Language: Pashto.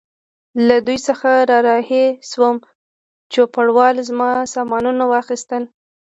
له دوی څخه را رهي شوم، چوپړوال زما سامانونه واخیستل.